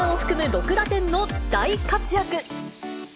６打点の大活躍。